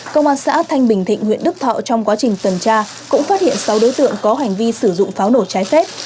công an xã thanh bình thịnh huyện đức thọ trong quá trình tuần tra cũng phát hiện sáu đối tượng có hành vi sử dụng pháo nổ trái phép